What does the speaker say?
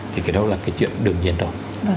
thì cái đó là cái chuyện đương nhiên thôi